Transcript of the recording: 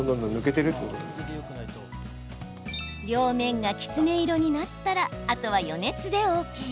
両面がきつね色になったらあとは余熱でＯＫ。